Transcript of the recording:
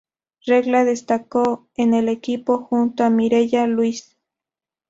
Regla destacó en el equipo junto a Mireya Luis.